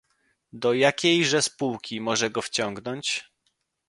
"Do jakiejże spółki może go wciągnąć?..."